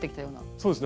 そうですね。